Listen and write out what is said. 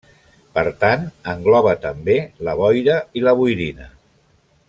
Per tant engloba també la boira i la boirina.